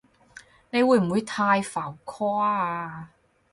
你會唔會太浮誇啊？